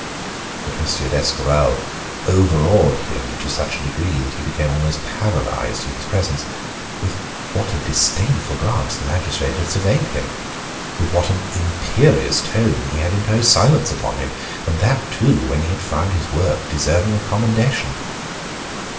But M. d'Escorval overawed him to such a degree that he became almost paralyzed in his presence. With what a disdainful glance the magistrate had surveyed him! With what an imperious tone he had imposed silence upon him and that, too, when he had found his work deserving of commendation.